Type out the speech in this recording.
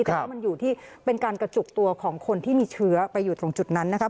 แต่ว่ามันอยู่ที่เป็นการกระจุกตัวของคนที่มีเชื้อไปอยู่ตรงจุดนั้นนะครับ